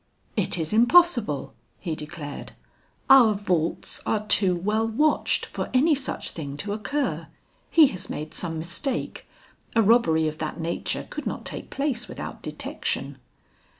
"It is impossible," he declared. "Our vaults are too well watched for any such thing to occur. He has made some mistake; a robbery of that nature could not take place without detection."